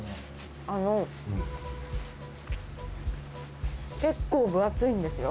あの結構分厚いんですよ。